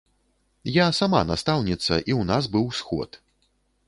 Я сама настаўніца, і ў нас быў сход.